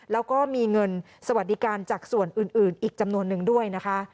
แล้วก็มีเงินสวัสดิการจากส่วนอื่นอีกจำนวนนึงด้วยนะคะ